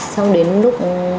xong đến lúc